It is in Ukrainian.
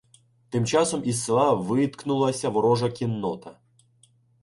Тим часом із села виткнулася ворожа кіннота.